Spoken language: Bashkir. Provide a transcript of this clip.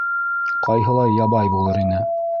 Ҡайһылай ябай булыр ине.